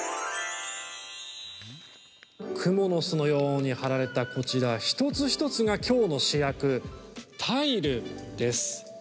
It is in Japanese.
クモの巣のように張られたこちら、一つ一つがきょうの主役、タイルです。